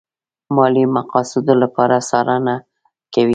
ماليې مقاصدو لپاره څارنه کوي.